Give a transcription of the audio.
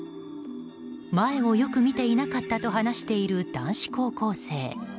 前をよく見ていなかったと話している男子高校生。